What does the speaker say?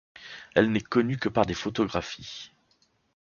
Elle n’est connue que par des photographies.